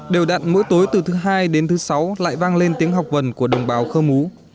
đều đặn mỗi tối từ thứ hai đến thứ sáu lại vang lên tiếng học vần của đồng bào khơ mú